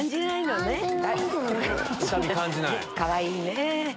かわいいね。